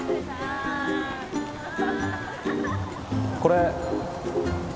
これ。